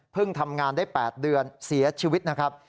ทำงานได้๘เดือนเสียชีวิตนะครับ